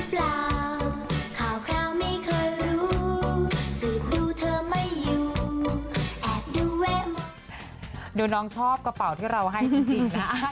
ดูน้องชอบกระเป๋าที่เราให้จริงนะ